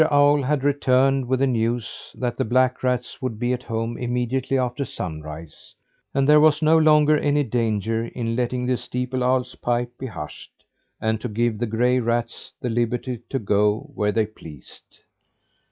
Owl had returned with the news that the black rats would be at home immediately after sunrise; and there was no longer any danger in letting the steeple owl's pipe be hushed, and to give the gray rats the liberty to go where they pleased.